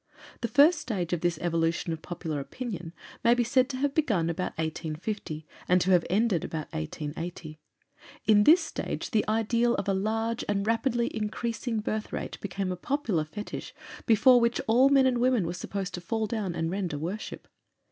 The first stage of this evolution of popular opinion may be said to have been begun about 1850, and to have ended about 1880. In this stage the ideal of a large and rapidly increasing birth rate became a popular fetich before which all men and women were supposed to fall down and render worship.